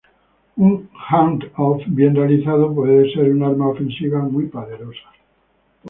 Un hand off bien realizado puede ser un arma ofensiva muy poderosa.